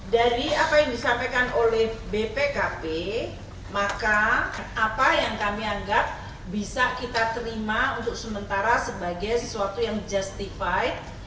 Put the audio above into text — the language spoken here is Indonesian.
dari apa yang disampaikan oleh bpkp maka apa yang kami anggap bisa kita terima untuk sementara sebagai sesuatu yang justified